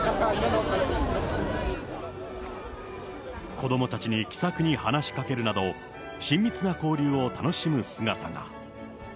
子どもたちに気さくに話しかけるなど、親密な交流を楽しむ姿が。